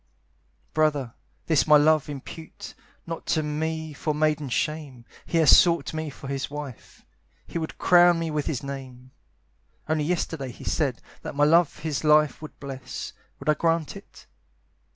Brother, this my love impute Not to me for maiden shame; He has sought me for his wife, He would crown me with his name. Only yesterday he said That my love his life would bless: Would I grant it?